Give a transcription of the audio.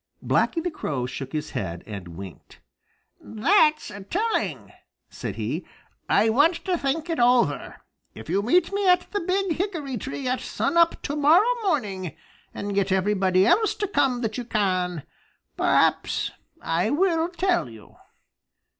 Blacky the Crow shook his head and winked. "That's telling," said he. "I want to think it over. If you meet me at the Big Hickory tree at sun up to morrow morning, and get everybody else to come that you can, perhaps I will tell you."